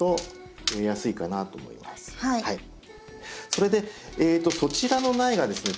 それでそちらの苗がですね